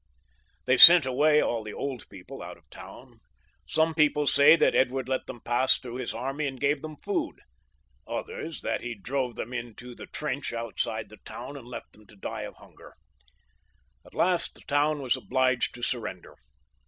They sent away all the old people out of the town. M 162 PHILIP VI. [CH. Some people say that Edward let them pass through his army, and gave them food, others, that he drove them into the trench outside the town and left them to die of hunger. At last the town was obliged to surrender.